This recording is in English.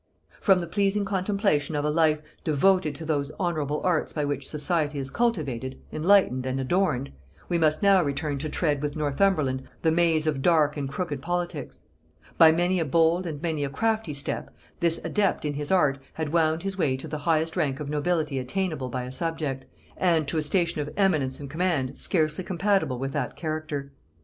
From the pleasing contemplation of a life devoted to those honorable arts by which society is cultivated, enlightened and adorned, we must now return to tread with Northumberland the maze of dark and crooked politics. By many a bold and many a crafty step this adept in his art had wound his way to the highest rank of nobility attainable by a subject, and to a station of eminence and command scarcely compatible with that character.